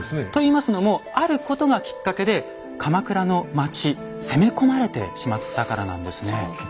といいますのもあることがきっかけで鎌倉の町攻め込まれてしまったからなんですね。